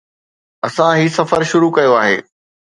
اسان هي سفر شروع ڪيو آهي